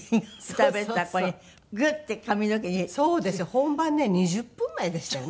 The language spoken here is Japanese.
本番ね２０分前でしたよね。